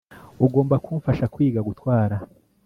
ugomba kumfasha kwiga gutwara